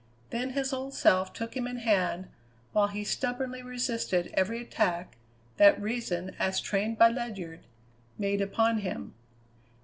Then his old self took him in hand while he stubbornly resisted every attack that reason, as trained by Ledyard, made upon him.